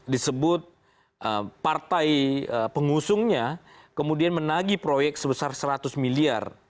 disebut partai pengusungnya kemudian menagi proyek sebesar seratus miliar